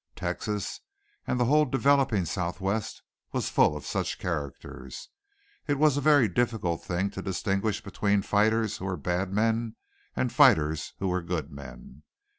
Texas, and the whole developing Southwest, was full of such characters. It was a very difficult thing to distinguish between fighters who were bad men and fighters who were good men.